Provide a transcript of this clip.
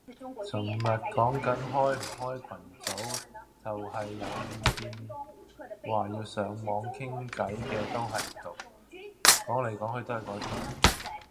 尋日講緊開唔開群組，就係有意見話要上網傾偈嘅都係毒，講嚟講去都係嗰啲